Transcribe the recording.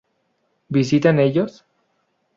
¿Visitan ellos?